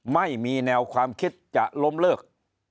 ไม่มีแนวความคิดจะล้มเลิก